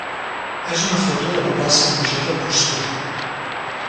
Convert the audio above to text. és una foto de la plaça major de Costur.